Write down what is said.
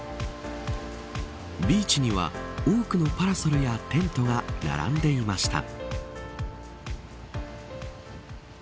ビーチには、多くのパラソルやテントが並んでいました。